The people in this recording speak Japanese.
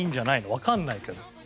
わかんないけど。